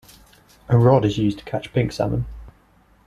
A rod is used to catch pink salmon.